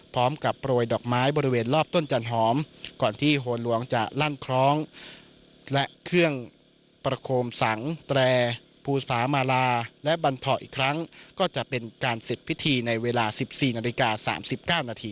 โปรยดอกไม้บริเวณรอบต้นจันหอมก่อนที่หัวหลวงจะลั่นคล้องและเครื่องประโคมสังแตรภูสามาลาและบรรเทาะอีกครั้งก็จะเป็นการเสร็จพิธีในเวลา๑๔นาฬิกา๓๙นาที